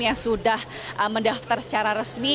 yang sudah mendaftar secara resmi